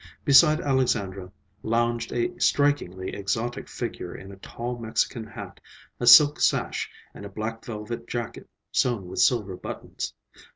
Beside Alexandra lounged a strikingly exotic figure in a tall Mexican hat, a silk sash, and a black velvet jacket sewn with silver buttons.